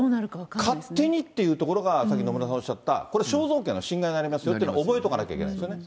勝手にっていうところが、さっき野村さんおっしゃった、これ、肖像権の侵害になりますよっていうのは覚えとかなきゃいけないですね。